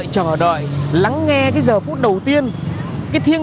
cơ đồ việt nam